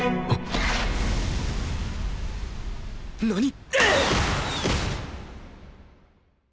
何！？